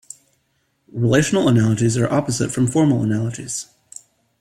Relational analogies are opposite from formal analogies.